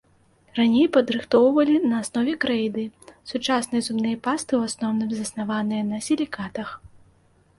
Раней падрыхтоўвалі на аснове крэйды, сучасныя зубныя пасты ў асноўным заснаваныя на сілікатах.